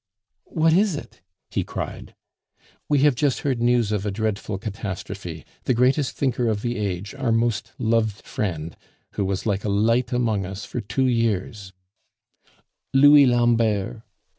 "What is it?" he cried. "We have just heard news of a dreadful catastrophe; the greatest thinker of the age, our most loved friend, who was like a light among us for two years " "Louis Lambert!"